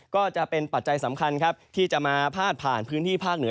ก็จะเป็นปัจจัยสำคัญครับที่จะมาพาดผ่านพื้นที่ภาคเหนือ